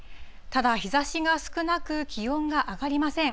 ただ日ざしが少なく、気温が上がりません。